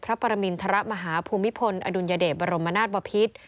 พระปรมิณฑระมหาภูมิพลอดุญเดบรมนาฏวพิษ